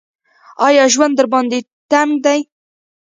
ایا ژوند درباندې تنګ دی ؟